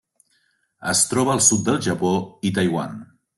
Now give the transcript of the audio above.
Es troba al sud del Japó i Taiwan.